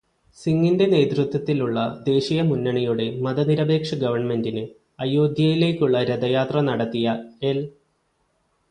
സിങ്ങിന്റെ നേതൃത്വത്തിലുള്ള ദേശീയമുന്നണിയുടെ മതനിരപേക്ഷ ഗവണ്മെന്റിനെ, അയോദ്ധ്യയിലേക്കുള്ള രഥയാത്ര നടത്തിയ എല്.